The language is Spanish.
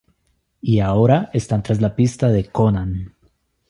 Y ahora están tras la pista de Conan.